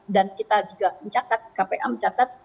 dan kita juga mencatat kpa mencatat